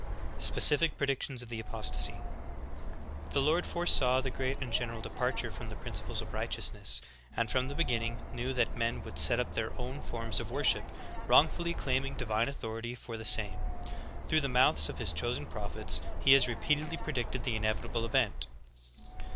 ^ SPECIFIC PREDICTIONS OF THE APOSTASY. 19. The Lord foresaw the great and general departure from the principles of righteousness, and from the begin ning knew that men would set up their own forms of wor ship, wrongfully claiming divine authority for the same. Through the mouths of His chosen prophets He has re peatedly predicted the inevitable event.